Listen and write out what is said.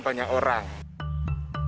jadi kita harus berhenti menggoda orang